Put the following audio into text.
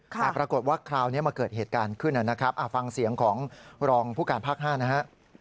แต่ปรากฏว่าคราวนี้มาเกิดเหตุการณ์ขึ้นนะครับฟังเสียงของรองผู้การภาค๕นะฮะ